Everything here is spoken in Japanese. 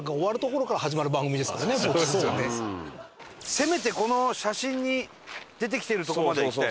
せめてこの写真に出てきてるとこまでは行きたい。